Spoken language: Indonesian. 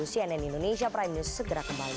cnn indonesia prime news segera kembali